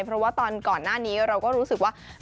เพราะว่าตอนก่อนหน้านี้เราก็รู้สึกว่า